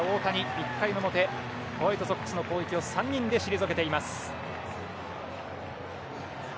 １回の表ホワイトソックスの攻撃を３人で退けています。